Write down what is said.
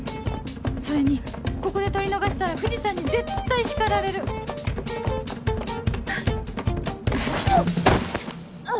それにここで取り逃したら藤さんに絶対叱られる！うおっ！